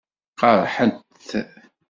Qeṛṛḥet.